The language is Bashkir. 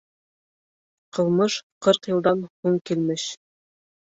Ҡылмыш ҡырҡ йылдан һуң килмеш.